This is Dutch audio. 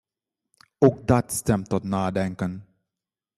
Ook dat stemt tot nadenken.